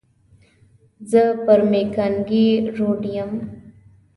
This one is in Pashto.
زه پر مېکانګي روډ یم.